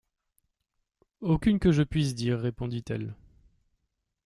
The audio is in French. Aucune que je puisse dire, répondit-elle.